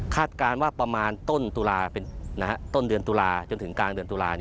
คาดการณ์ว่าประมาณต้นเดือนตุลาจนถึงกลางเดือนตุลา